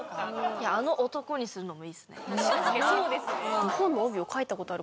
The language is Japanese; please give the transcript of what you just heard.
いやあの「漢」にするのもいいですね。